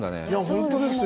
本当ですよ。